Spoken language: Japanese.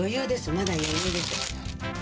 まだ余裕です。